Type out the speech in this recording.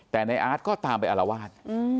แต่ในอาร์ตก็ตามไปอารวาส